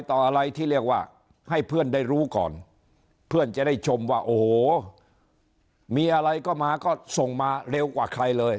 ต่ออะไรที่เรียกว่าให้เพื่อนได้รู้ก่อนเพื่อนจะได้ชมว่าโอ้โหมีอะไรก็มาก็ส่งมาเร็วกว่าใครเลย